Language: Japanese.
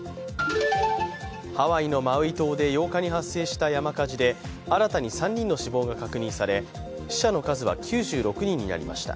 ハワイのマウイ島で８日に発生した山火事で新たに３人の死亡が確認され死者の数は９６人になりました。